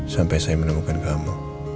sampai saya menemukan kamu